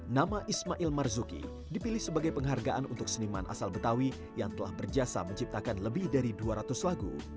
nama ismail marzuki dipilih sebagai penghargaan untuk seniman asal betawi yang telah berjasa menciptakan lebih dari dua ratus lagu